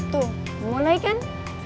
tuh mulai kan